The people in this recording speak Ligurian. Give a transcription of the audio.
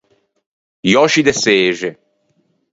I òsci de çexe.